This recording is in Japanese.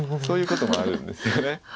そういうこともあるんですよね。